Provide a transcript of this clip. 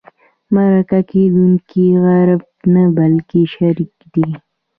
مرکه کېدونکی غریب نه بلکې شریك دی.